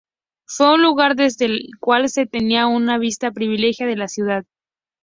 Fue un lugar desde el cual se tenía una vista privilegiada de la ciudad.